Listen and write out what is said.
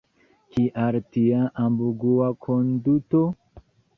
Kial tia ambigua konduto?